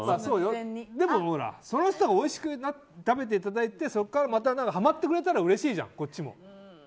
でもその人がおいしく食べていただいてそこからまたハマってくれたらうれしいじゃん、こっちも。